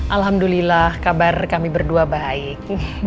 alhamdulillah kabar kami berdua baik